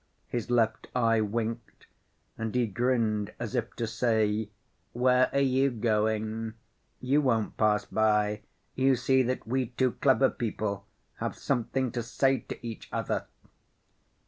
His left eye winked and he grinned as if to say, "Where are you going? You won't pass by; you see that we two clever people have something to say to each other."